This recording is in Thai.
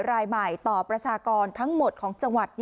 รายใหม่ต่อประชากรทั้งหมดของจังหวัด